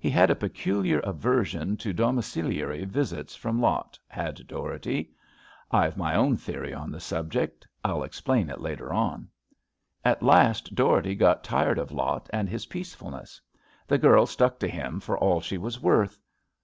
He had a peculiar aversion to domiciliary visits from Lot, had Dougherty. IVe my own theory on the sub ject. I'll explain it later on. At last Dougherty got tired of Lot and his peacefulness. The girl stuck to him for all she was worth.